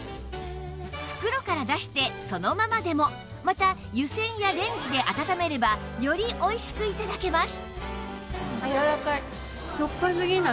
袋から出してそのままでもまた湯せんやレンジで温めればより美味しく頂けます